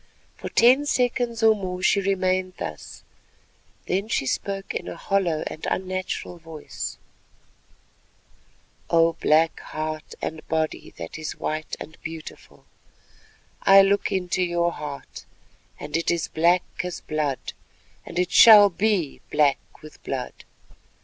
For ten seconds or more she remained thus, then she spoke in a hollow and unnatural voice:— "O Black Heart and body that is white and beautiful, I look into your heart, and it is black as blood, and it shall be black with blood.